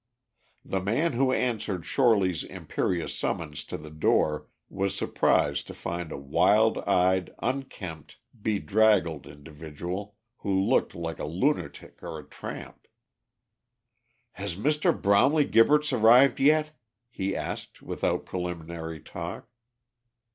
The man who answered Shorely's imperious summons to the door was surprised to find a wild eyed, unkempt, bedraggled individual, who looked like a lunatic or a tramp. "Has Mr. Bromley Gibberts arrived yet?" he asked, without preliminary talk.